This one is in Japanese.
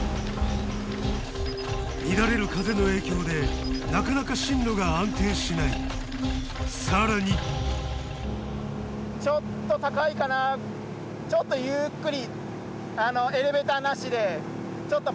乱れる風の影響でなかなか進路が安定しないさらにちょっとゆっくり。